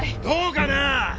どうかな！